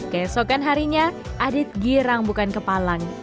keesokan harinya adit girang bukan kepalang